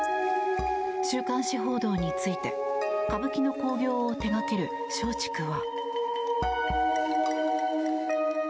週刊誌報道について歌舞伎の興業を手掛ける松竹は。